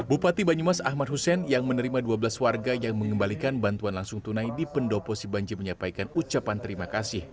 bupati banyumas ahmad hussein yang menerima dua belas warga yang mengembalikan bantuan langsung tunai di pendopo sibanji menyampaikan ucapan terima kasih